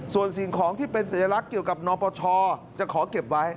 ส่วนสิ่งของที่เป็นสัญลักษณ์เกี่ยวกับนปชจะขอเก็บไว้